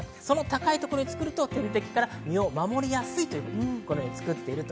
その高いところに作ると、天敵から身を守りやすいということです。